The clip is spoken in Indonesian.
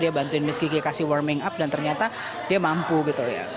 dia bantuin misk gigi kasih warming up dan ternyata dia mampu gitu ya